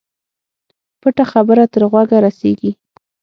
پټه خبره تر غوږه رسېږي.